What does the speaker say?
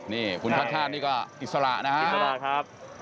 นี่คุณท่านนี่ก็อิสระนะครับ